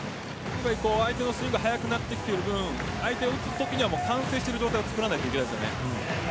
相手のスイングが速くなってきている分相手が打つときには完成している状態を作らないといけません。